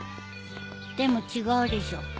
でも違うでしょ。